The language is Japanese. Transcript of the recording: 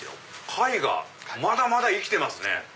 貝がまだまだ生きてますね。